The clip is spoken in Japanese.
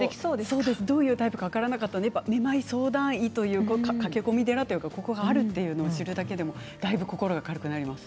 どういうタイプか分からなかったのでめまい相談医という駆け込み寺というかここがあるっていうのを知るだけでもだいぶ心が軽くなります。